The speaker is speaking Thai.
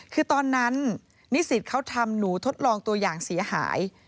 คือตอนนั้นนิสิตเขาทำหนูทดลองตัวอย่างเสียหาย